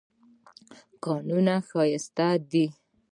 کانونه ښایسته دي.